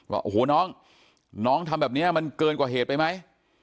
ว่าโอ้โหน้องน้องทำแบบนี้มันเกินกว่าเหตุไปไหม